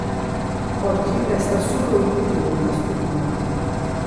Oggi resta solo il nucleo della struttura.